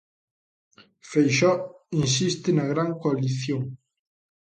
Feixóo insiste na gran coalición.